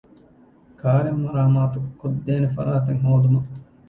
ކާރެއް މަރާމާތުކޮށްދޭނެ ފަރާތެއް ހޯދުމަށް